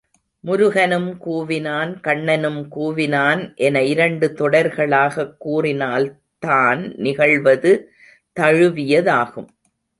முருகனும் கூவினான் கண்ணனும் கூவினான் என இரண்டு தொடர்களாகக் கூறினால் தான் நிகழ்வது தழுவியதாகும்.